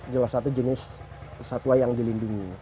salah satu jenis satwa yang dilindungi